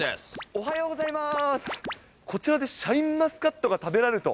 おはようございます。